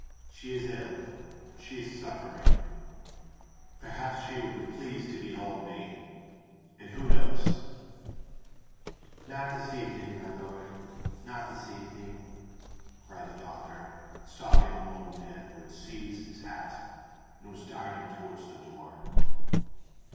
She is ill—she is suffering—perhaps she will be pleased to behold me—and who knows——" "Not this evening, my lord—not this evening!" cried the doctor, stopping the nobleman who had seized his hat and was darting towards the door.